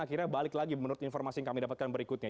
akhirnya balik lagi menurut informasi yang kami dapatkan berikutnya